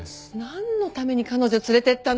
なんのために彼女を連れていったの！？